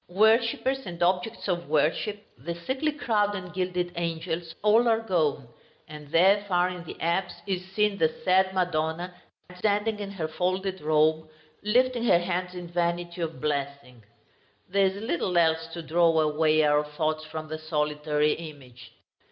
Worshippers and objects of worship, the sickly crowd and gilded angels, all are gone; and there, far in the apse, is seen the sad Madonna standing in her folded robe, lifting her hands in vanity of blessing. There is little else to draw away our thoughts from the solitary image.